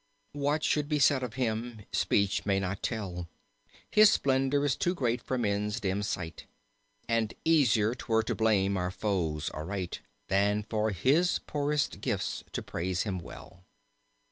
What should be said of him speech may not tell; His splendor is too great for men's dim sight; And easier 'twere to blame his foes aright Than for his poorest gifts to praise him well.